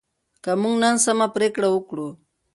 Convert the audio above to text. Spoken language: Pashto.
که موږ نن سمه پریکړه وکړو.